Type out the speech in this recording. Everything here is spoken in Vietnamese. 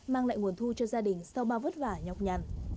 mang lại nguồn thu cho gia đình sau bao vất vả nhọc nhằn